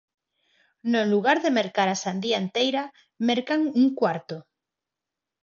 No lugar de mercar a sandía enteira, mercan un cuarto.